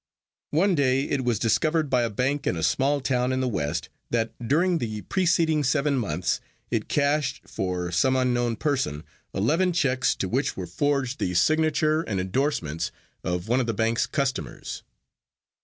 One day it was discovered by a bank in a small town in the West that during the preceding seven months it cashed for some unknown person eleven checks to which were forged the signature and endorsements of one of the bank's customers.